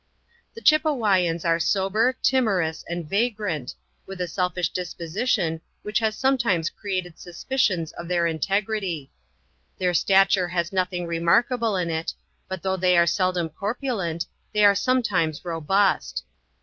The Chepewyans are sober, timorous, and vagrant, with a selfish disposition which has sometimes created suspicions of their integrity. Their stature has nothing remarkable in it; but though they are seldom corpulent, they are sometimes robust.